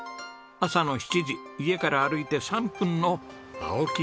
朝の７時家から歩いて３分の青木農園へ。